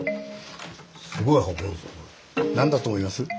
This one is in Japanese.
何だと思います？